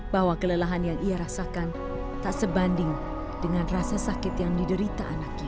bahwa kelelahan yang ia rasakan tak sebanding dengan rasa sakit yang diderita anaknya